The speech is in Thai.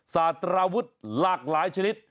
สารวุฒิหลากหลายชนิด